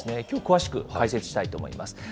きょう、詳しく解説したいと思います。